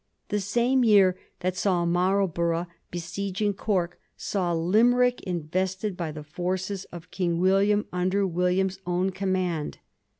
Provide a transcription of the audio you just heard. The same year that saw Marlborough besieg ing Cork saw Limerick invested by the forces of King William under William's own command.